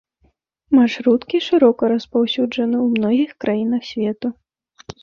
Маршруткі шырока распаўсюджаны ў многіх краінах свету.